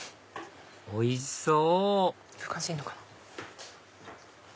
おいしそう！